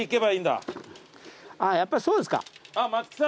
あぁやっぱりそうですか。